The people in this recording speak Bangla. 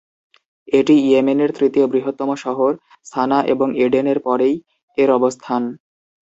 এটি ইয়েমেনের তৃতীয় বৃহত্তম শহর, সানা এবং এডেন এর পরেই এর অবস্থান।